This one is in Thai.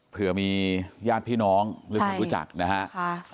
เผื่อมีญาติพี่น้องรู้จักนะครับ